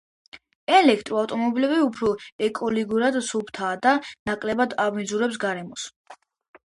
ელექტრო ავტომობილები უფრო ეკოლოგიურად სუფთაა და ნაკლებად აბინძურებს გარემოს.